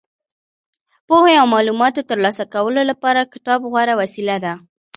پوهې او معلوماتو ترلاسه کولو لپاره کتاب غوره وسیله ده.